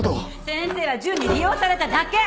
先生は純に利用されただけ！